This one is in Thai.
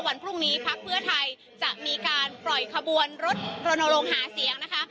วันพรุ่งนี้พักเพื่อไทยจะมีการปล่อยขบวนรถโรนโรงหาเสียงนะคะ